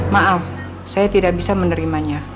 maaf saya tidak bisa menerimanya